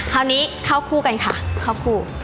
คราวนี้เข้าคู่กันค่ะ